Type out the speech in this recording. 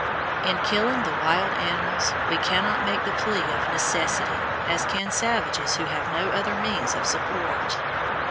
In killing the wild animals we cannot make the plea of necessity, as can savages who have no other means of support.